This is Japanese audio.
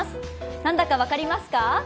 なんだか分かりますか？